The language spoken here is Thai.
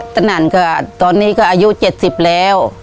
ตนั่นก็ตอนนี้ก็อายุเจ็ดสิบแล้ว